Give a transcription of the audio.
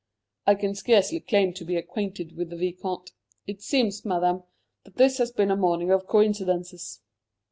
"I can scarcely claim to be acquainted with the Vicomte. It seems, Madame, that this has been a morning of coincidences.